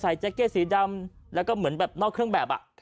แจ็กเก็ตสีดำแล้วก็เหมือนแบบนอกเครื่องแบบ